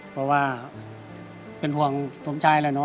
เพราะว่าเป็นห่วงสมชายแล้วเนอ